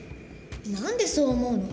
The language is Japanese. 何でそう思うの？